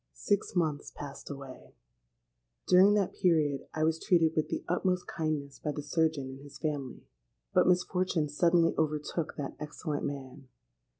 "Six months passed away: during that period I was treated with the utmost kindness by the surgeon and his family. But misfortune suddenly overtook that excellent man.